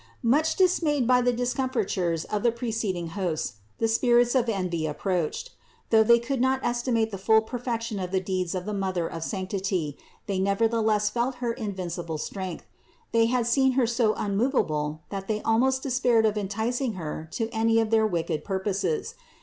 351. Much dismayed by the discomfitures of the pre ceding hosts, the spirits of envy approached. Though they could not estimate the full perfection of the deeds of the Mother of sanctity, they nevertheless felt her in vincible strength. They had seen Her so unmovable that they almost despaired of enticing Her to any of their wicked purposes.